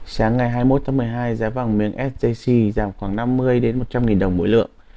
sáng ngày hai mươi một tháng một mươi hai giá vàng miếng sjc giảm khoảng năm mươi một trăm linh nghìn đồng mỗi lượng